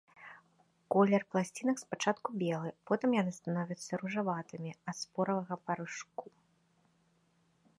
Колер пласцінак спачатку белы, потым яны становяцца ружаватымі ад споравага парашку.